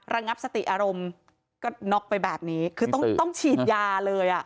ระงับสติอารมณ์ก็น็อกไปแบบนี้คือต้องต้องฉีดยาเลยอ่ะ